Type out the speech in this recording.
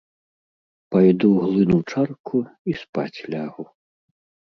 Пайду глыну чарку і спаць лягу.